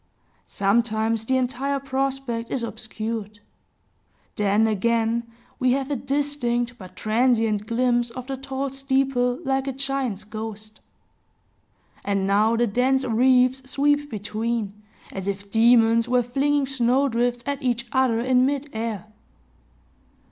Sometimes the entire prospect is obscured; then, again, we have a distinct, but transient glimpse of the tall steeple, like a giant's ghost; and now the dense wreaths sweep between, as if demons were flinging snowdrifts at each other, in mid air.